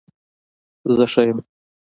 زه ښه يم